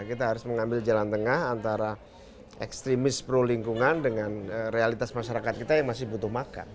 kita harus mengambil jalan tengah antara ekstremis pro lingkungan dengan realitas masyarakat kita yang masih butuh makan